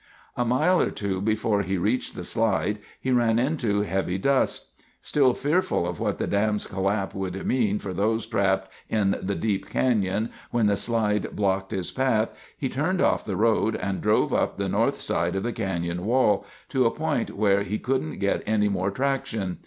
A mile or two before he reached the slide, he ran into heavy dust. Still fearful of what the dam's collapse would mean for those trapped in the deep canyon, when the slide blocked his path he turned off the road and drove up the north side of the canyon wall to a point where he couldn't get any more traction.